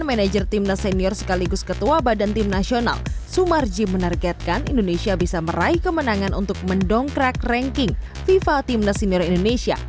manajer timnas senior sekaligus ketua badan tim nasional sumarji menargetkan indonesia bisa meraih kemenangan untuk mendongkrak ranking fifa timnas senior indonesia